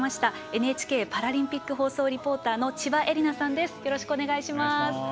ＮＨＫパラリンピック放送リポーターの千葉絵里菜さんです。